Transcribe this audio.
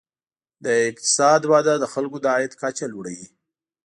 د اقتصاد وده د خلکو د عاید کچه لوړوي.